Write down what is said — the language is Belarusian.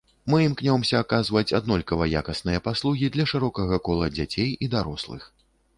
Мы імкнёмся аказваць аднолькава якасныя паслугі для шырокага кола дзяцей і дарослых.